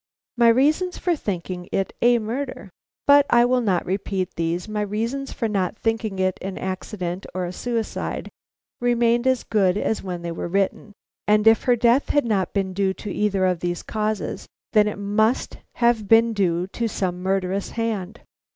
My reasons for thinking it a murder. But I will not repeat these. My reasons for not thinking it an accident or a suicide remained as good as when they were written, and if her death had not been due to either of these causes, then it must have been due to some murderous hand.